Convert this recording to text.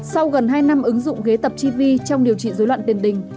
sau gần hai năm ứng dụng ghế tập tv trong điều trị dối loạn tiền đình